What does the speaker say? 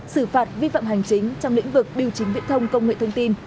xử phạt vi phạm hành chính trong lĩnh vực biểu chính viễn thông công nghệ thông tin